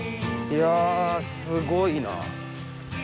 いやすごいな。